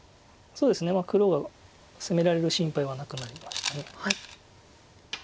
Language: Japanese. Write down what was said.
そうですね黒が攻められる心配はなくなりました。